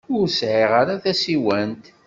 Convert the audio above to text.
Ur sɛiɣ ara tasiwant.